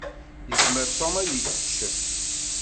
Yezmer Tom ad iccef.